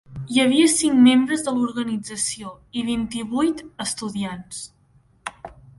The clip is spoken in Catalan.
Hi havia cinc membres de l'organització i vint-i-vuit estudiants.